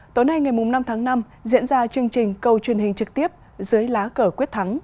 tối nay ngày năm tháng năm diễn ra chương trình câu truyền hình trực tiếp dưới lá cờ quyết thắng